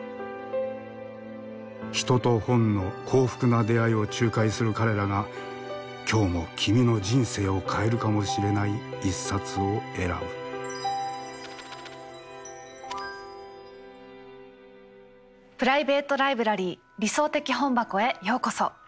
人と本の幸福な出会いを仲介する彼らが今日も君の人生を変えるかもしれない一冊を選ぶプライベート・ライブラリー「理想的本箱」へようこそ。